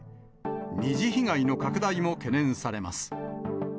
二次被害の拡大も懸念されます。